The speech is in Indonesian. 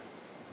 jadi ini apa